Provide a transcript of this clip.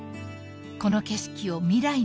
［この景色を未来につなぐ］